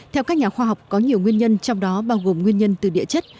theo các nhà khoa học có nhiều nguyên nhân trong đó bao gồm nguyên nhân từ địa chất